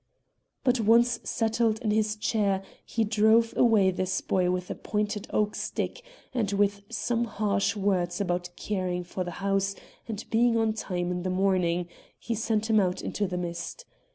But once settled in his chair, he drove away this boy with his pointed oak stick, and with some harsh words about caring for the horse and being on time in the morning, he sent him out into the mist.